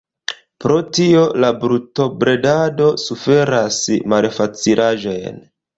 Pro tio la brutobredado suferas malfacilaĵojn.